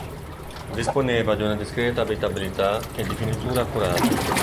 Disponeva di una discreta abitabilità e di finiture accurate.